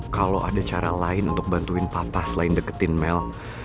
kalau ada cara lain untuk bantuin papa selain deketin mel